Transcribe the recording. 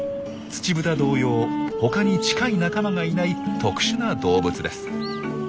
ツチブタ同様他に近い仲間がいない特殊な動物です。